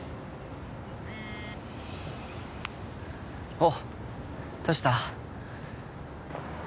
おうどうした？